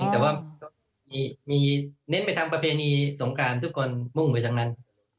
แต่ว่าก็มีเน้นไปทำประเพณีสงการทุกคนมุ่งไปทั้งนั้น